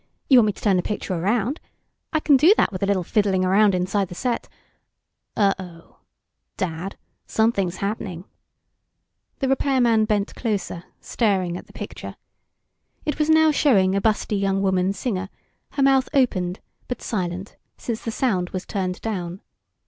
You want me to turn the picture around? I can do that with a little fiddling around inside the set ... uh oh. Dad, something's happening." The repairman bent closer, staring at the picture. It was now showing a busty young woman singer, her mouth opened, but silent, since the sound was turned down.